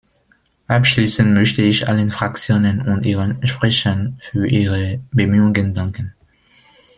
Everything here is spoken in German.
Abschließend möchte ich allen Fraktionen und ihren Sprechern für ihre Bemühungen danken.